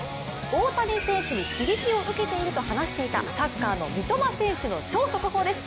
大谷選手に刺激を受けていると話していたサッカーの三笘選手の超速報です。